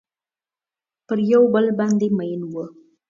یو پر بل باندې میین وه